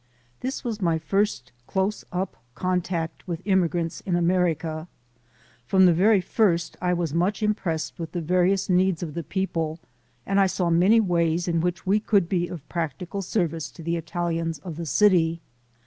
This was my first close up contact with immi grants in America. From the very first I was much impressed with the various needs of the people and I saw many ways in which we could be of practical service to the Italians of the city.